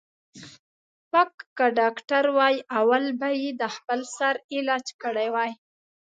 ـ پک که ډاکتر وای اول به یې د خپل سر علاج کړی وای.